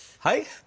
はい？